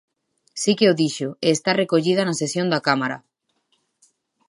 Si que o dixo, e está recollida na sesión da Cámara.